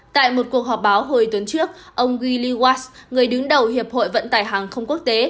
tại một cuộc họp báo hồi tuần trước ông giliwas người đứng đầu hiệp hội vận tải hàng không quốc tế